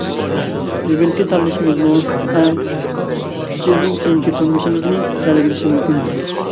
بۈگۈنكى تاللىشىمىزمۇ ھەم ئۈچ يىلدىن كېيىنكى تۇرمۇشىمىزنى بەلگىلىشى مۇمكىن.